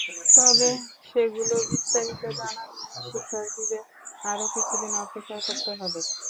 তবে সেগুলো বিস্তারিত জানার জন্য শিক্ষার্থীদের আরও কিছুদিন অপেক্ষা করতে হবে।